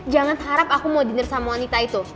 jangan harap aku mau diner sama wanita itu